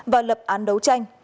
và lập án đấu tranh